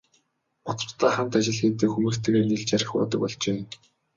Гутрахдаа хамт ажил хийдэг хүмүүстэйгээ нийлж архи уудаг болжээ.